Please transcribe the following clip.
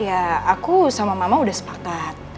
ya aku sama mama udah sepakat